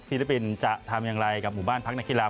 ลิปปินส์จะทำอย่างไรกับหมู่บ้านพักนักกีฬา